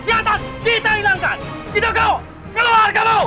tidak ada yang akan mendengar kamu